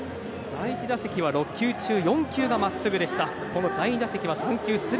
第１打席は６球中４球がストレートでした。